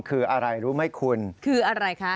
คืออะไรรู้ไหมคุณคืออะไรคะ